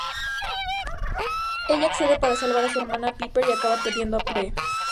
Ella accede para salvar a su hermana Piper y acaba perdiendo a Prue.